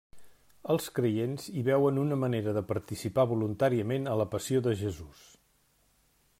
Els creients hi veuen una manera de participar voluntàriament a la passió de Jesús.